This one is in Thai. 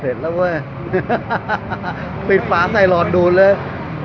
เห็นแล้วเว้ยปิดฝาใส่หลอดดูดเลย